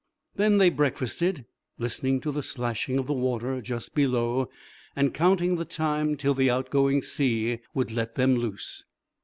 Then they breakfasted, listening to the slashing of the water just below and counting the time till the out going sea would let them loose.